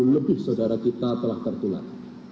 sebelas lebih saudara kita telah tertulak